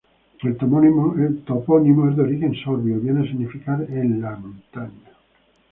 El topónimo es de origen sorbio y viene a significar "en la montaña".